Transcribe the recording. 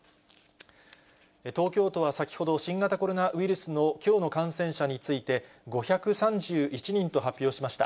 東京都は先ほど、新型コロナウイルスのきょうの感染者について、５３１人と発表しました。